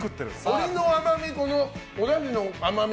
鶏の甘みとおだしの甘み